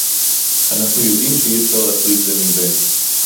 אנחנו יודעים שאי-אפשר להפריד זה מזה